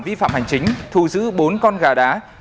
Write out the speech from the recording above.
vi phạm hành chính thu giữ bốn con gà đá